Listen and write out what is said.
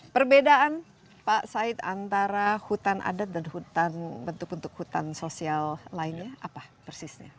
perbedaan pak said antara hutan adat dan bentuk bentuk hutan sosial lainnya apa persisnya